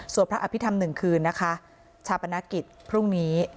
สวดพระอภิษฐรรม๑คืนชาปนาคิดพรุ่งนี้